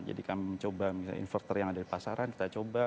jadi kami mencoba inverter yang ada di pasaran kita coba